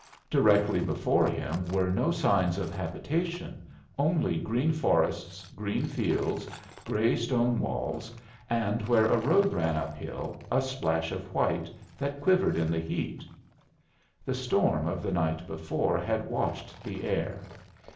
Directly before him were no signs of habitation, only green forests, green fields, gray stone walls, and, where a road ran up hill, a splash of white, that quivered in the heat. The storm of the night before had washed the air.